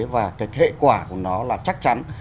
và cái hệ quả của nó là chắc chắn